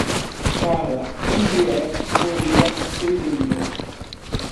Carla Henriete Moreira Pereira